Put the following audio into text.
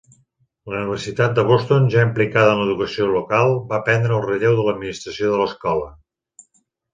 La Universitat de Boston, ja implicada en l'educació local, va prendre el relleu de l'administració de l'escola.